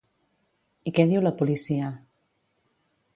I què diu la policia?